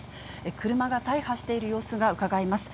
車が大破している様子が伺えます。